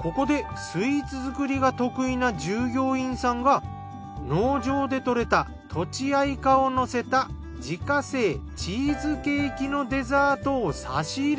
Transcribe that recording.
ここでスイーツ作りが得意な従業員さんが農場で採れたとちあいかをのせた自家製チーズケーキのデザートを差し入れ。